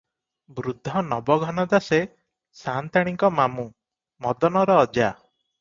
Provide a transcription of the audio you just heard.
ବୃଦ୍ଧ ନବଘନ ଦାସେ ସାନ୍ତାଣୀଙ୍କ ମାମୁ, ମଦନର ଅଜା ।